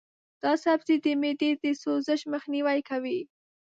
دا سبزی د معدې د سوزش مخنیوی کوي.